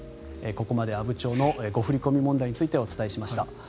ここまで阿武町の誤振り込み問題についてお伝えしました。